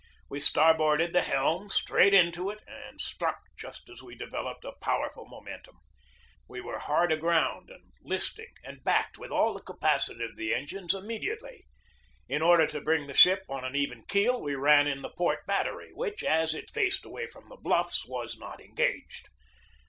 We starboarded the helm straight into it and struck just as we developed a powerful momentum. We were hard aground and listing, and backed with all the capacity of the engines immediately. In order to bring the ship on an even keel, we ran in the port battery, which, as it faced away from the bluffs, was not engaged.